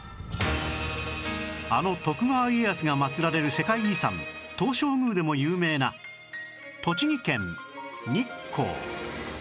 あの徳川家康が祭られる世界遺産東照宮でも有名な栃木県日光